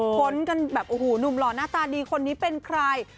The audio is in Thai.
ค้นกันแบบโอ้โหหนุ่มหล่อหน้าตาดีคนนี้เป็นใคร